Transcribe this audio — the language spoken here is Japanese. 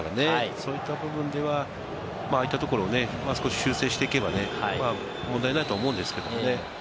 そういった部分ではああいったところ、ちょっと修正していけば問題ないと思うんですけれどもね。